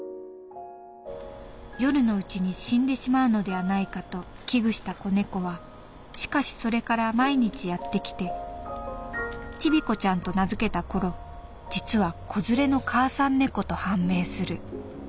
「夜のうちに死んでしまうのではないかと危惧した子猫はしかしそれから毎日やってきてチビコちゃんと名付けた頃実は子連れの母さん猫と判明する」。